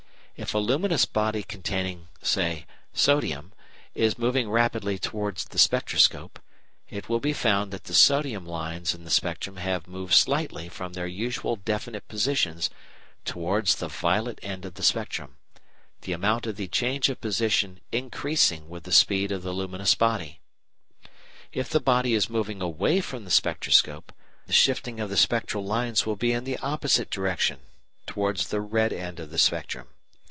If a luminous body containing, say, sodium is moving rapidly towards the spectroscope, it will be found that the sodium lines in the spectrum have moved slightly from their usual definite positions towards the violet end of the spectrum, the amount of the change of position increasing with the speed of the luminous body. If the body is moving away from the spectroscope the shifting of the spectral lines will be in the opposite direction, towards the red end of the spectrum.